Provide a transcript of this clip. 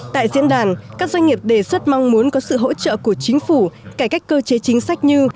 tại diễn đàn các doanh nghiệp đề xuất mong muốn có sự hỗ trợ của chính phủ cải cách cơ chế chính sách như